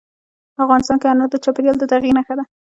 افغانستان کې انار د چاپېریال د تغیر نښه ده.